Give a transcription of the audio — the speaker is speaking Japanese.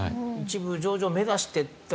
一部上場目指して。